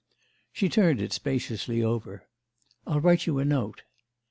She turned it spaciously over. "I'll write you a note."